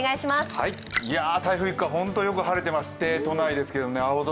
台風一過、本当によく晴れていまして都内ですけれども、青空。